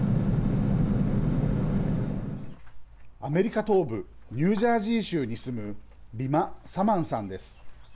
アメリカ東部ニュージャージー州に住むリマ・サマンさんです。